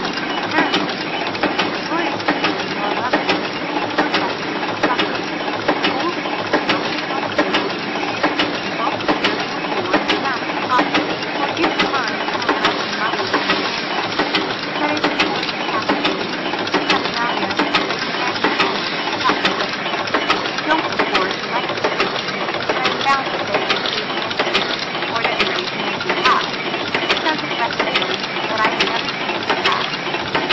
Apparently, when the victorious fifteen or eleven came into the refectory for supper, the whole school jumped upon the tables and cheered and broke the chairs on the floor and smashed the crockeryfor a given time, until the Reverend Mother rang a hand bell. That is of course the Catholic traditionsaturnalia that can end in a moment, like the crack of a whip. I don't, of course, like the tradition, but I am bound to say that it gave Nancyor at any rate Nancy hada sense of rectitude that I have never seen surpassed.